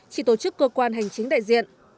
chỉ tổ chức cơ quan hành chính đại diện